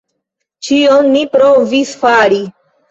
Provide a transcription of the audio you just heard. Ĉion mi provis fari!